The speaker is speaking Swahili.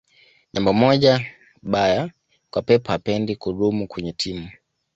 jambo moja baya kwa pep hapendi kudumu kwenye timu